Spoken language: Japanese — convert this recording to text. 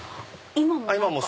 今も。